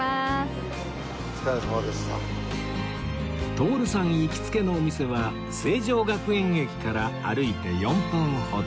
徹さん行きつけのお店は成城学園駅から歩いて４分ほど